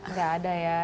nggak ada ya